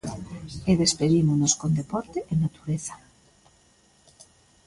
E despedímonos con deporte e natureza.